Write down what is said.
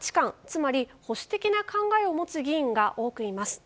つまり保守的な考えを持つ議員が多くいます。